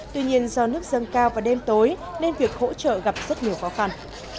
tuy nhiên do nước dâng cao vào đêm tối nên việc hỗ trợ gặp rất nhiều khó khăn